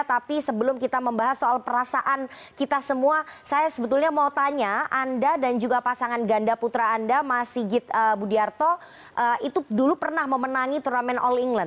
tapi sebelum kita membahas soal perasaan kita semua saya sebetulnya mau tanya anda dan juga pasangan ganda putra anda mas sigit budiarto itu dulu pernah memenangi turnamen all england